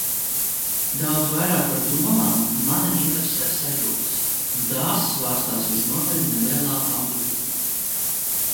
Daudz vairāk par domām mani interesē sajūtas, un tās svārstās visnotaļ nelielā amplitūdā.